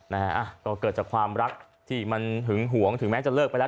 นะฮะอ่ะก็เกิดจากความรักที่มันหึงหวงถึงแม้จะเลิกไปแล้ว